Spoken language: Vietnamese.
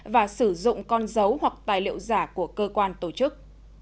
và sử dụng con dấu hoặc tài liệu giả của cơ quan tổ chức